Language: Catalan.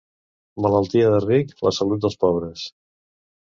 Malaltia de ric, la salut dels pobres.